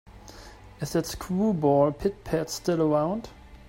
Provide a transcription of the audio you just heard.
Is that screwball Pit-Pat still around?